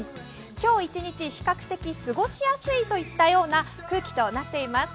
今日一日、比較的過ごしやすいといったような空気となっています。